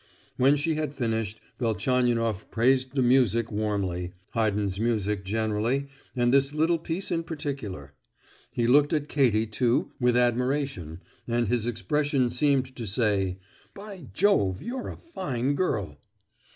When she had finished Velchaninoff praised the music warmly—Haydn's music generally, and this little piece in particular. He looked at Katie too, with admiration, and his expression seemed to say. "By Jove, you're a fine girl!"